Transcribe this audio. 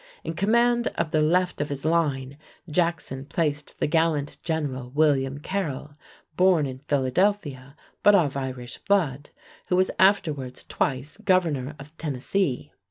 In command of the left of his line Jackson placed the gallant general William Carroll, born in Philadelphia, but of Irish blood, who was afterwards twice governor of Tennessee.